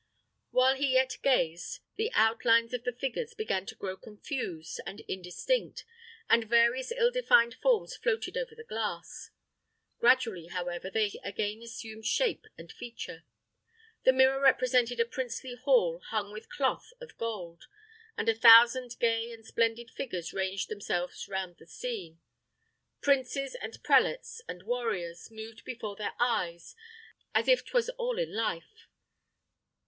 While he yet gazed, the outlines of the figures began to grow confused and indistinct, and various ill defined forms floated over the glass. Gradually, however, they again assumed shape and feature; the mirror represented a princely hall hung with cloth of gold, and a thousand gay and splendid figures ranged themselves round the scene. Princes, and prelates, and warriors, moved before their eyes, as if 'twas all in life.